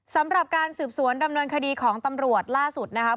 สำหรับการสืบสวนดำเนินคดีของตำรวจล่าสุดนะครับ